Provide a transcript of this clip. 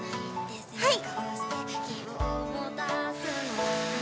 はい！